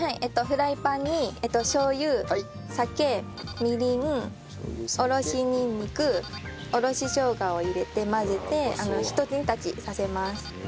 フライパンにしょう油酒みりんおろしニンニクおろししょうがを入れて混ぜてひと煮立ちさせます。